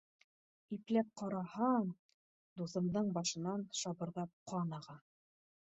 Ипләп ҡараһам, дуҫымдың башынан шабырҙап ҡан аға.